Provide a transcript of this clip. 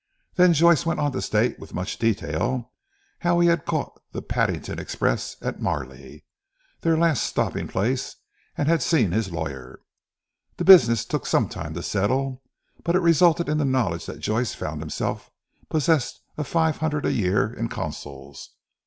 Then Joyce went on to state with much detail, how he had caught the Paddington express at Marleigh their last stopping place and had seen his lawyer. The business took some time to settle; but it resulted in the knowledge that Joyce found himself possessed of five hundred a year in Consols.